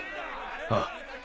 ああ。